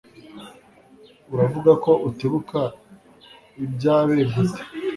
Uravuga ko utibuka ibyabe gute